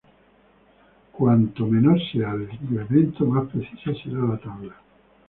Cuanto menor sea el incremento, más precisa será la tabla.